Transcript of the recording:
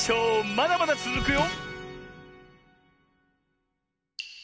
まだまだつづくよ！